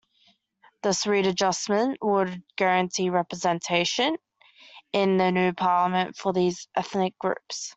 This readjustment would guarantee representation in the new parliament for these ethnic groups.